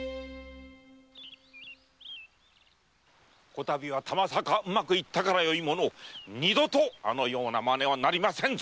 こたびはたまさかうまくいったからよいもの二度とあのような真似はなりませぬぞ